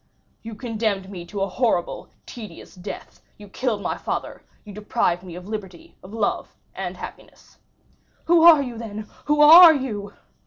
"You condemned me to a horrible, tedious death; you killed my father; you deprived me of liberty, of love, and happiness." "Who are you, then? Who are you?"